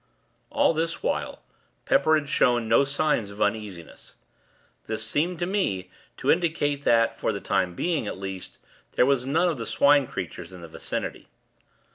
All this while, Pepper had shown no signs of uneasiness. This seemed, to me, to indicate that, for the time being, at least, there was none of the Swine creatures in the vicinity.